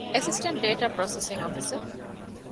އެސިސްޓެންޓް ޑޭޓާ ޕްރޮސެސިންގ އޮފިސަރ